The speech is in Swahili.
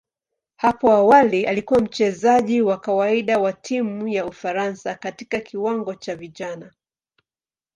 Hapo awali alikuwa mchezaji wa kawaida wa timu ya Ufaransa katika kiwango cha vijana.